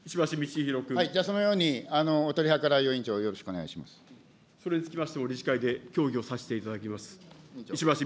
そのようにお取り計らいを、それにつきましても理事会で協議をさせていただきます。